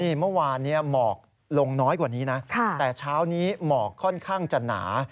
เมื่อวานนี้หมอกลงน้อยกว่านี้นะแต่เช้านี้หมอกค่อนข้างจะหนา